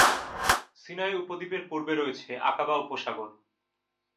Sinai উপদ্বীপের পূর্বে রয়েছে আকাবা উপসাগর।